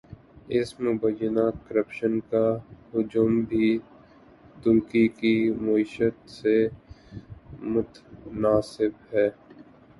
اس مبینہ کرپشن کا حجم بھی ترکی کی معیشت سے متناسب ہے۔